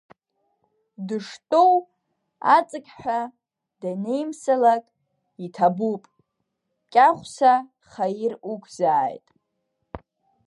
Дыштәоу аҵықьҳәа данеимсалак, иҭабуп, Кьаӷәса, хаир уқәзааит!